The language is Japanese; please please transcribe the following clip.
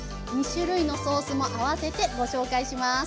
２種類のソースもあわせてご紹介します。